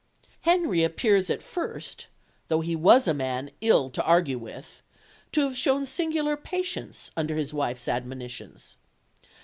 Henry appears at first though he was a man ill to argue with to have shown singular patience under his wife's admonitions.